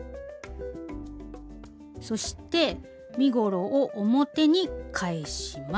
そして身ごろを表に返します。